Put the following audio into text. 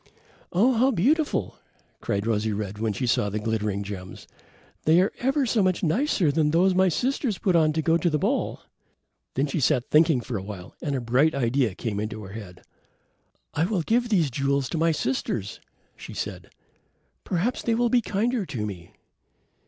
"Oh, how beautiful," cried Rosy red when she saw the glittering gems. "They are ever so much nicer than those my sisters put on to go to the ball." Then she sat thinking for a while and a bright idea came into her head. "I will give these jewels to my sisters," she said. "Perhaps they will be kinder to me."